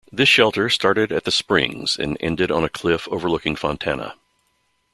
This shelter started at the Springs and ended on a cliff overlooking Fontana.